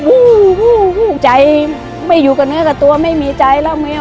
ผมอยากมารายการร้องได้ให้ร้านวันนี้